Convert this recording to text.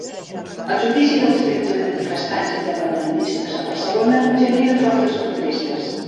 El judici dels tretze manifestants independentistes a Barcelona genera fortes protestes